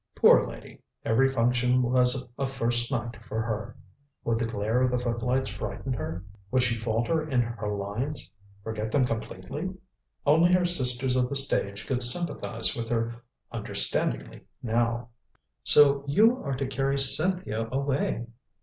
Poor lady, every function was a first night for her. Would the glare of the footlights frighten her? Would she falter in her lines forget them completely? Only her sisters of the stage could sympathize with her understandingly now. "So you are to carry Cynthia away?"